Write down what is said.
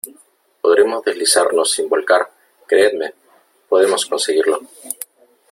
podremos deslizarnos sin volcar , creedme , podemos conseguirlo .